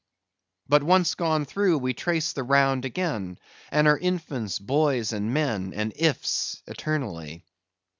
But once gone through, we trace the round again; and are infants, boys, and men, and Ifs eternally.